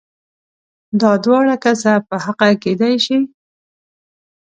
دا دواړه کسه په حقه کېدای شي؟